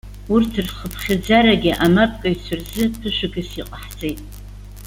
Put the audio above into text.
Урҭ рхыԥхьаӡарагьы амапкыҩцәа рзы ԥышәагас иҟаҳҵеит.